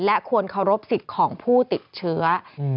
และควรเคารพสิทธิ์ของผู้ติดเชื้อ